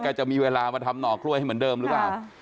จะมีเวลามาทำหน่อกล้วยให้เหมือนเดิมหรือเปล่า